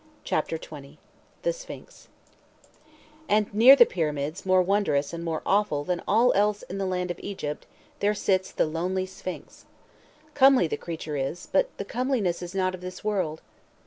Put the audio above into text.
CHAPTER XX—THE SPHINX And near the Pyramids more wondrous and more awful than all else in the land of Egypt, there sits the lonely Sphinx. Comely the creature is, but the comeliness is not of this world.